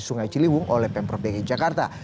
sungai ciliwung oleh pemprov dki jakarta